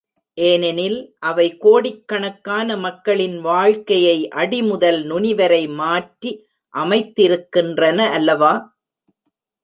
ஏனெனில், அவை கோடிக் கணக்கான மக்களின் வாழ்க்கையை அடிமுதல் நுனிவரை மாற்றி அமைத்திருக்கின்றன அல்லவா!